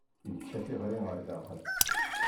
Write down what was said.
Yečča tiɣrit ɣer daxel.